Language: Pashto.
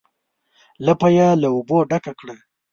لپه یې له اوبو ډکه کړه.